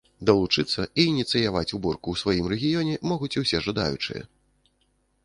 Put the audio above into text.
Далучыцца і ініцыяваць уборку ў сваім рэгіёне могуць усе жадаючыя!